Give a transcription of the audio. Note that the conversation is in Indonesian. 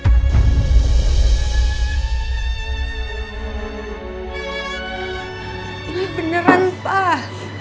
ini beneran pak